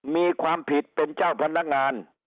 มีความผิดเป็นเจ้าพนักงาน